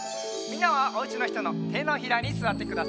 みんなはおうちのひとのてのひらにすわってください。